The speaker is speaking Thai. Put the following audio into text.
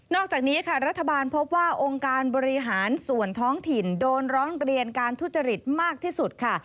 อกจากนี้ค่ะรัฐบาลพบว่าองค์การบริหารส่วนท้องถิ่นโดนร้องเรียนการทุจริตมากที่สุดค่ะ